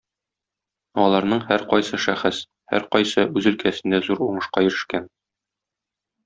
Аларның һәркайсы шәхес, һәркайсы үз өлкәсендә зур уңышка ирешкән.